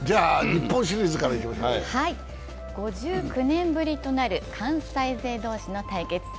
５９年ぶりとなる関西勢同士の対決。